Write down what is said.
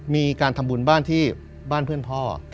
มีการทำบุญบ้านที่บ้านเพื่อนพ่อ